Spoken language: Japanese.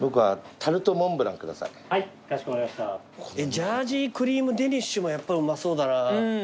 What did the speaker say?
ジャージークリームデニッシュもやっぱりうまそうだな。